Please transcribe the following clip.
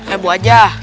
eh bu aja